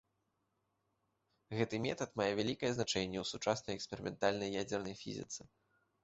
Гэты метад мае вялікае значэнне ў сучаснай эксперыментальнай ядзернай фізіцы.